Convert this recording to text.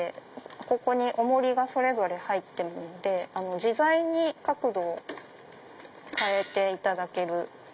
ここに重りがそれぞれ入ってるので自在に角度を変えていただける。